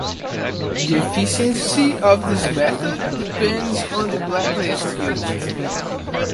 The efficiency of this method depends on the blacklist used.